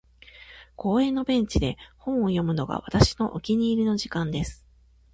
•公園のベンチで本を読むのが、私のお気に入りの時間です。